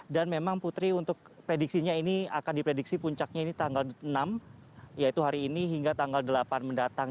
dan memang putri untuk prediksinya ini akan diprediksi puncaknya ini tanggal enam yaitu hari ini hingga tanggal delapan mendatang